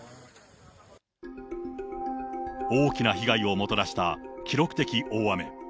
大きな被害をもたらした記録的大雨。